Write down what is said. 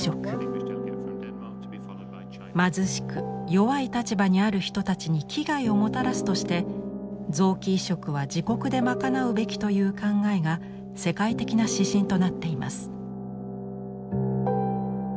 貧しく弱い立場にある人たちに危害をもたらすとして「臓器移植は自国で賄うべき」という考えが世界的な指針となっています。